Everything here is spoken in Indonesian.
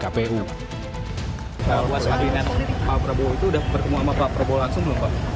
kalau mas kabinet pak prabowo itu sudah bertemu sama pak prabowo langsung belum pak